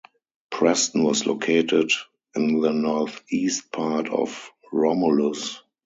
Preston was located in the north-east part of Romulus.